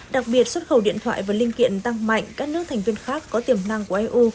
đặc biệt xuất khẩu điện thoại và linh kiện tăng mạnh các nước thành viên khác có tiềm năng của eu